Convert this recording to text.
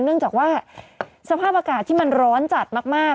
เนื่องจากว่าสภาพอากาศที่มันร้อนจัดมาก